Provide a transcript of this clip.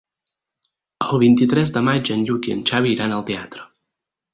El vint-i-tres de maig en Lluc i en Xavi iran al teatre.